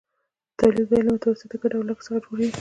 د تولید بیه له متوسطې ګټې او لګښت څخه جوړېږي